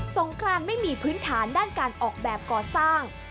งครานไม่มีพื้นฐานด้านการออกแบบก่อสร้าง